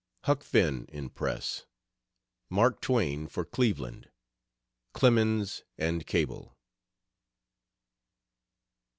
"HUCK FINN" IN PRESS. MARK TWAIN FOR CLEVELAND. CLEMENS AND CABLE.